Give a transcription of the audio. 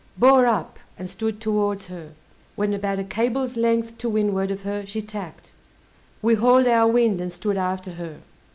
Bore up, and stood towards her; when about a cable's length to windward of her, she tacked; we hauled our wind and stood after her.